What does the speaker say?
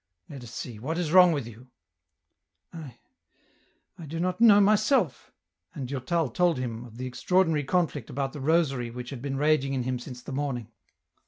Let us see, what is wrong with you ?"" I ... I do not know myself ;" and Durtal told him oi the extraordinary conflict about the rosary which had been raging in him since the morning.